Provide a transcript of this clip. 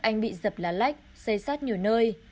anh bị dập lá lách xây xát nhiều nơi